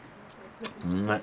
うまい！